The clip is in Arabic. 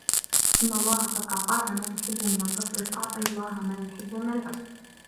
إنَّ اللَّهَ قَدْ أَعْطَاك مَا تُحِبُّ مِنْ الظَّفَرِ فَأَعْطِ اللَّهَ مَا يُحِبُّ مِنْ الْعَفْوِ